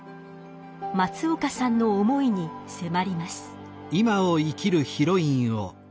松岡さんの思いに迫ります。